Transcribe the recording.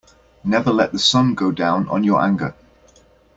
Never let the sun go down on your anger.